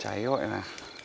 cháy rồi mà